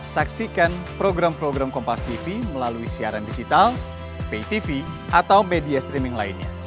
saksikan program program kompastv melalui siaran digital paytv atau media streaming lainnya